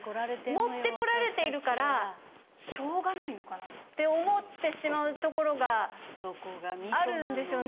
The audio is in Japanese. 持ってこられているからしょうがないのかなって思ってしまうところがあるんですよね。